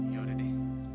ya udah deh